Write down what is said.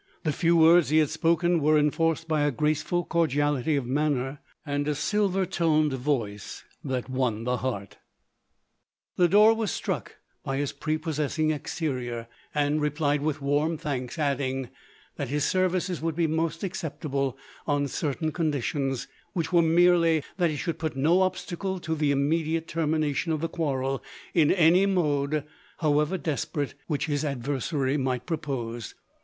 The few words he had spoken were enforced by a graceful cordiality of manner, and a silver toned voice, that won the heart. Lodore was struck by his prepossessing exterior, 262 LODORK. and replied with warm thanks; adding, that his services would be most acceptable on certain conditions, — which were merely that he should put no obstacle to the immediate termination of the quarrel, in any mode, however desperate, which his adversary might propose.